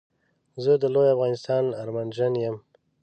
زه د لوي افغانستان ارمانژن يم